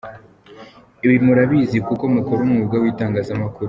Ibi murabizi kuko mukora umwuga w’itangazamakuru.